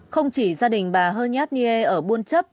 không chỉ gia đình bà hơ nháp nhiê ở buôn chấp